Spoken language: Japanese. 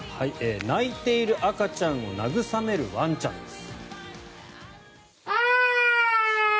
泣いている赤ちゃんを慰めるワンちゃんです。